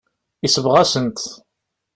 Yesbeɣ-asen-t.